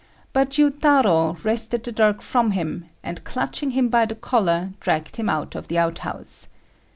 But Jiutarô wrested the dirk from him, and clutching him by the collar, dragged him out of the outhouse.